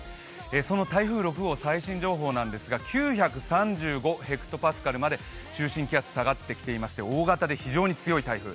その台風６号、最新情報なんですが９３５ｈＰａまで中心気圧下がってきてまして大型で非常に強い台風。